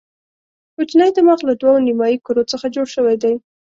کوچنی دماغ له دوو نیمو کرو څخه جوړ شوی دی.